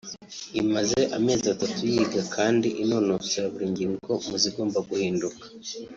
imaze amezi atatu yiga kandi inonosora buri ngingo mu zigomba guhinduka